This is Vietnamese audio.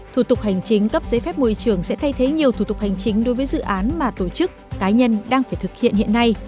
thủ tục hành chính cấp giấy phép môi trường sẽ thay thế nhiều thủ tục hành chính đối với dự án mà tổ chức cá nhân đang phải thực hiện hiện nay